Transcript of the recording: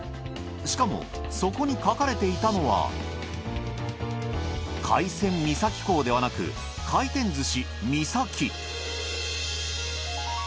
しかもそこに書かれていたのは海鮮三崎港ではなく回転寿司みさき。